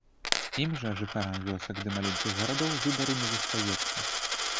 Ім жа, жыхарам вёсак ды маленькіх гарадоў, выбару не застаецца.